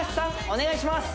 お願いします